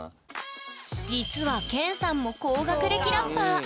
実はＫＥＮさんも高学歴ラッパー。